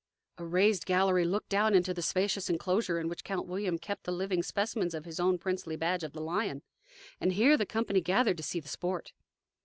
A raised gallery looked down into the spacious inclosure in which Count William kept the living specimens of his own princely badge of the lion. And here the company gathered to see the sport.